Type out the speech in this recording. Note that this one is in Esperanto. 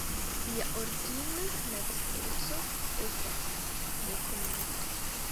Lia origina nacieco estas nekonata.